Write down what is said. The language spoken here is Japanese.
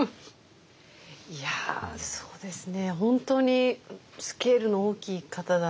いやそうですね